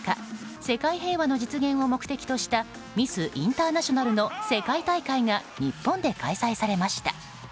世界平和の実現を目的としたミス・インターナショナルの世界大会が日本で開催されました。